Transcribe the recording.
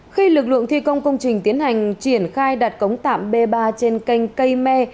khi lực lượng thi công công trình tiến hành triển khai đặt cống tạm b ba trên kênh cây me